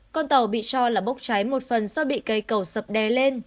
con tàu bị cho là bốc cháy một phần do bị cây cầu sập đè lên